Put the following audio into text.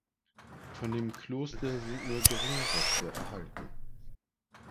Von dem Kloster sind nur geringe Reste erhalten.